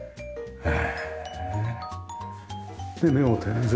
へえ。